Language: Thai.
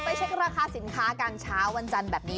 เช็คราคาสินค้ากันเช้าวันจันทร์แบบนี้